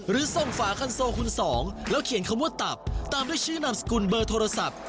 หรือส่งฝาคันโซคุณสองแล้วเขียนคำว่าตับตามด้วยชื่อนามสกุลเบอร์โทรศัพท์